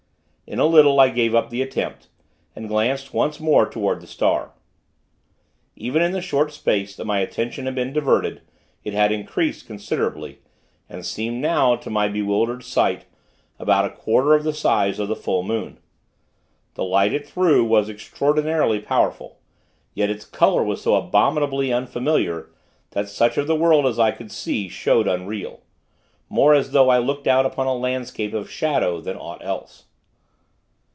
In a little, I gave up the attempt, and glanced once more toward the star. Even in the short space, that my attention had been diverted, it had increased considerably, and seemed now, to my bewildered sight, about a quarter of the size of the full moon. The light it threw, was extraordinarily powerful; yet its color was so abominably unfamiliar, that such of the world as I could see, showed unreal; more as though I looked out upon a landscape of shadow, than aught else.